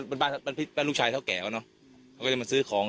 เป็นบ้านบ้านลูกชายเท่าแก่เขาเนอะเขาก็จะมาซื้อของ